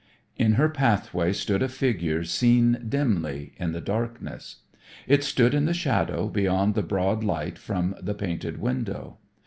In her pathway stood a figure seen dimly in the darkness. It stood in the shadow beyond the broad light from the painted window.